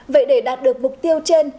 vậy để đạt được mục tiêu trên